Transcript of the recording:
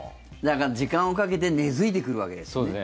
時間をかけて根付いてくるわけですね。